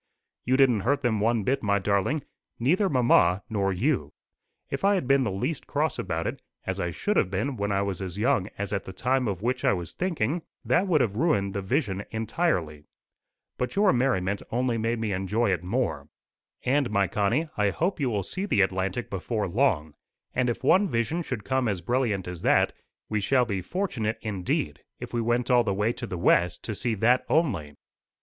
"You didn't hurt them one bit, my darling neither mamma nor you. If I had been the least cross about it, as I should have been when I was as young as at the time of which I was thinking, that would have ruined the vision entirely. But your merriment only made me enjoy it more. And, my Connie, I hope you will see the Atlantic before long; and if one vision should come as brilliant as that, we shall be fortunate indeed, if we went all the way to the west to see that only."